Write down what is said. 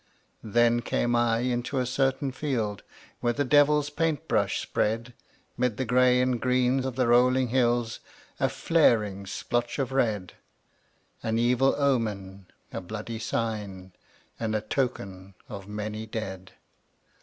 Then came I into a certain field Where the devil's paint brush spread 'Mid the gray and green of the rolling hills A flaring splotch of red, An evil omen, a bloody sign, And a token of many dead.